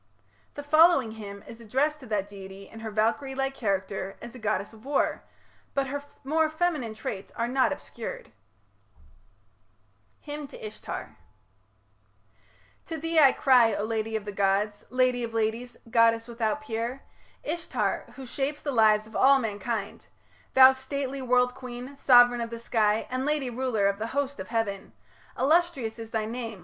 The following hymn is addressed to that deity in her Valkyrie like character as a goddess of war, but her more feminine traits are not obscured: HYMN TO ISHTAR To thee I cry, O lady of the gods, Lady of ladies, goddess without peer, Ishtar who shapes the lives of all mankind, Thou stately world queen, sovran of the sky, And lady ruler of the host of heaven Illustrious is thy name...